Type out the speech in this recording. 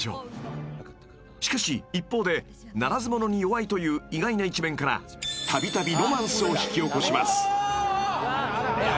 ［しかし一方でならず者に弱いという意外な一面からたびたびロマンスを引き起こします］